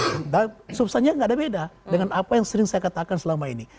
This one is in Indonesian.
nah substansinya nggak ada beda dengan apa yang sering saya katakan selama ini